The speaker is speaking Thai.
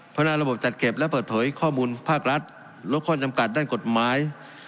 หน้าระบบจัดเก็บและเปิดเผยข้อมูลภาครัฐลดข้อจำกัดด้านกฎหมาย